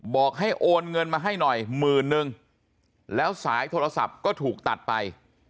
บอกให้โอนเงินมาให้หน่อยหมื่นนึงแล้วสายโทรศัพท์ก็ถูกตัดไป